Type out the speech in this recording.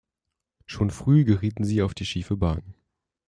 Schon früh gerieten sie auf die schiefe Bahn.